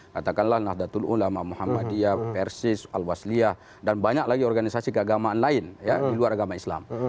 katakanlah nahdlatul ulama muhammadiyah persis al wasliyah dan banyak lagi organisasi keagamaan lain ya di luar agama islam